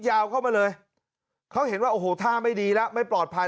ยาวเข้ามาเลยเขาเห็นว่าโอ้โหท่าไม่ดีแล้วไม่ปลอดภัย